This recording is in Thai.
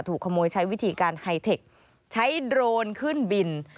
ถูกขโมยใช้วิธีการไฮเทคใช้โดรนขึ้นบิน